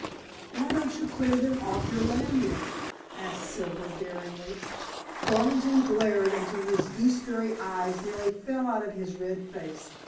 "Why don't you clear them off your land then?" asked Silver daringly. Garvington glared until his gooseberry eyes nearly fell out of his red face.